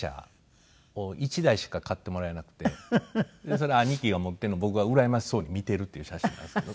それ兄貴が持っているの僕がうらやましそうに見ているっていう写真なんですけど。